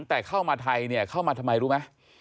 แต่เข้ามาไทยเนี่ยเข้ามาทำไมรู้ไหม